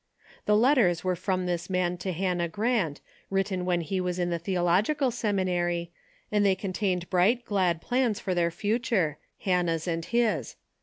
The letters were from this man to Hannah Grant, written when he was in the theological seminary, and they contained bright glad plans for their future, Hannah's and his.